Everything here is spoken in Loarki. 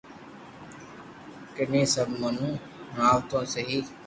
ڪني سب منو ھڻوتو سھي